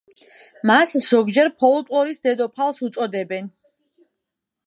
მას ზოგჯერ „ფოლკლორის დედოფალს“ უწოდებენ.